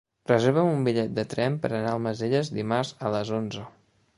Reserva'm un bitllet de tren per anar a Almacelles dimarts a les onze.